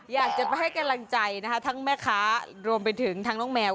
อยากจะไปให้กำลังใจนะคะทั้งแม่ค้ารวมไปถึงทั้งน้องแมว